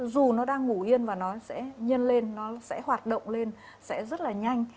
dù nó đang ngủ yên và nó sẽ nhân lên nó sẽ hoạt động lên sẽ rất là nhanh